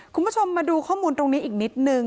คุณผู้ชมมาดูข้อมูลตรงนี้อีกนิดนึง